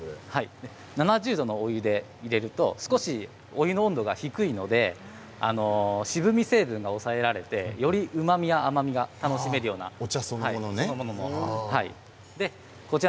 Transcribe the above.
７０度で入れるとお湯の温度が低いので渋み成分が抑えられてうまみや甘みがより楽しめるようになります。